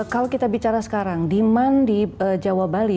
kalau kita bicara sekarang demand di jawa bali